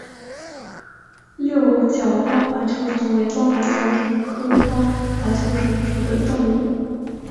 六角光滑球虫为光滑球虫科光滑球虫属的动物。